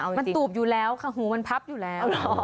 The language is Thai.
มันตูบอยู่แล้วค่ะหูมันพับอยู่แล้ว